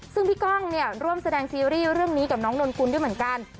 ซึ่งพี่ก้องเนี่ยร่วมแสดงซีรีส์เรื่องนี้กับน้องนนกุลด้วยเหมือนกัน